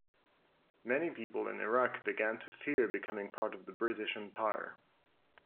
Many people in Iraq began to fear becoming part of the British Empire.